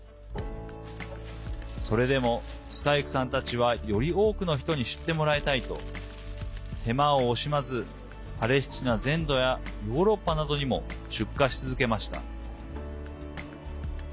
それでも、スカイクさんたちはより多くの人に知ってもらいたいと手間を惜しまずパレスチナ全土やヨーロッパなどにも出荷し続けました。